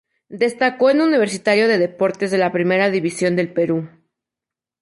Destacó en Universitario de Deportes de la Primera División del Perú.